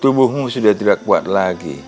tubuhmu sudah tidak kuat lagi